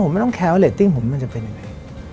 ผมไม่ต้องแคร์ว่าเรตติ้งผมเป็นยังไง